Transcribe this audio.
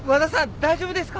大丈夫ですか？